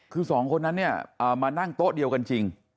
คือสองคนนั้นเนี่ยมานั่งโต๊ะเดียวกันจริง